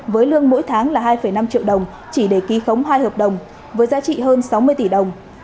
với lương mỗi tháng là hai năm triệu đồng chỉ để ký khống hai hợp đồng với giá trị hơn sáu mươi tỷ đồng